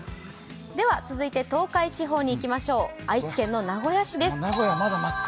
続いて、東海地方に行きましょう愛知県の名古屋市です。